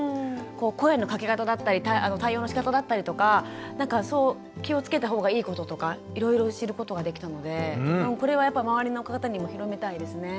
声のかけ方だったり対応のしかただったりとかなんかそう気をつけた方がいいこととかいろいろ知ることができたのでこれはやっぱ周りの方にも広めたいですね。